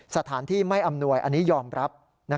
สถานที่ไม่อำนวยอันนี้ยอมรับ